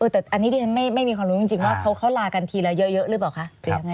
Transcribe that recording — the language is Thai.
แต่อันนี้ดิฉันไม่มีความรู้จริงว่าเขาลากันทีละเยอะหรือเปล่าคะ